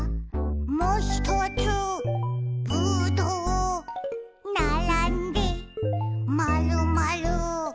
「もひとつぶどう」「ならんでまるまる」